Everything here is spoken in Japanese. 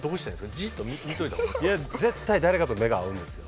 じっと見つめといた方が？いや絶対誰かと目が合うんですよ。